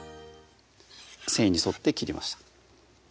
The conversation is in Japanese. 繊維に沿って切りました